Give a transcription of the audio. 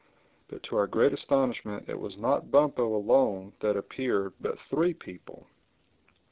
But to our great astonishment it was not Bumpo alone that appeared but three people.